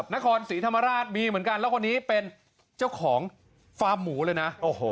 นครศรีธรรมราชมีเหมือนกันแล้วคนนี้เป็นเจ้าของฟาร์มหมูเลยนะโอ้โห